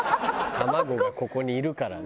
「卵がここにいるからね」